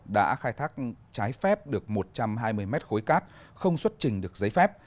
đã khai thác trái phép được một trăm hai mươi mét khối cát không xuất trình được giấy phép